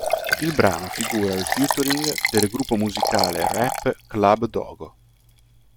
Il brano figura il featuring del gruppo musicale rap Club Dogo.